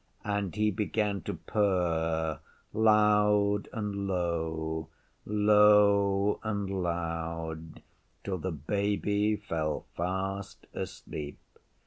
And he began to purr, loud and low, low and loud, till the Baby fell fast asleep.